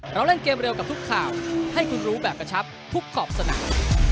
เราเล่นเกมเร็วกับทุกข่าวให้คุณรู้แบบกระชับทุกขอบสนาม